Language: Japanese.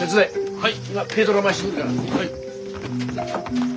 はい。